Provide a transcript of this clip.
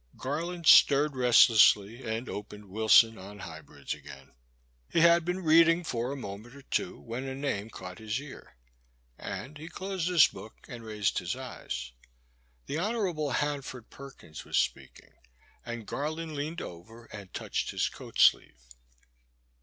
Garland stirred restlessly, and opened Wilson on Hybrids again. He had been reading for a moment or two when a name caught his ear, and he closed his book and raised his eyes. The Hon. Hanford Perkins was speaking, and Garland leaned over and touched his coat sleeve.